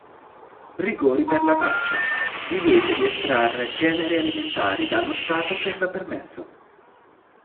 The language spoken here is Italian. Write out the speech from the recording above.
Rigori per la caccia; divieto di estrarre generi alimentari dallo Stato senza permesso.